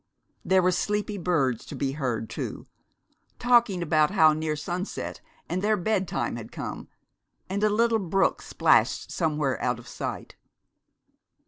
There were sleepy birds to be heard, too, talking about how near sunset and their bedtime had come, and a little brook splashed somewhere out of sight.